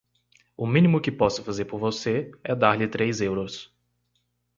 O mínimo que posso fazer por você é dar-lhe três euros.